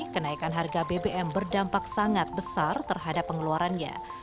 kenaikan harga bbm berdampak sangat besar terhadap pengeluarannya